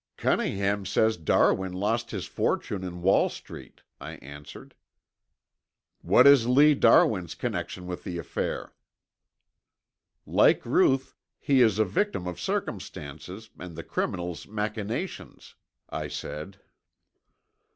"Cunningham says Darwin lost his fortune in Wall Street," I answered. "What is Lee Darwin's connection with the affair?" "Like Ruth he is a victim of circumstances and the criminal's machinations," I said.